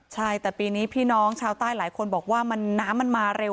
ใช่แต่ปีนี้พี่น้องชาวใต้หลายคนบอกว่าน้ำมันมาเร็ว